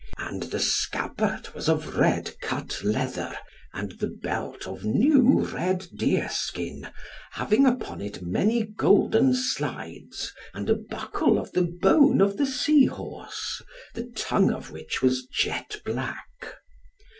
And the scabbard was of red cut leather, and the belt of new red deerskin, having upon it many golden slides and a buckle of the bone of the sea horse, the tongue of which was jet black.